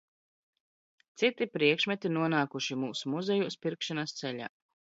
Citi priekšmeti nonākuši mūsu muzejos pirkšanas ceļā.